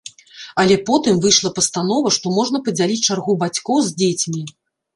Але потым выйшла пастанова, што можна падзяліць чаргу бацькоў з дзецьмі.